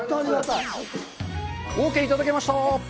オーケーいただけました！